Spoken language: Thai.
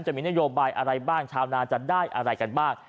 จะมีนโยบายอะไรบ้างชาวนาจะได้อะไรกันบ้าง